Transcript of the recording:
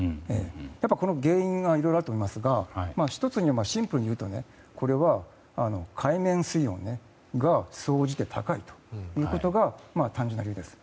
やっぱり原因はいろいろあると思いますが１つにはシンプルに言うと海面水温が総じて高いということが単純な理由です。